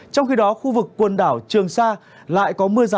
trong khi đó khu vực quần đảo trường sa lại có mưa rào